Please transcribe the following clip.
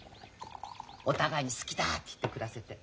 お互いに「好きだ」って言って暮らせて。